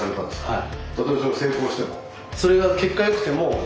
はい。